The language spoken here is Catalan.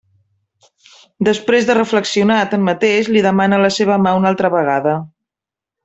Després de reflexionar, tanmateix, li demana la seva mà una altra vegada.